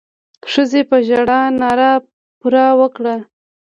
ښځې په ژړا ناره پر وکړه.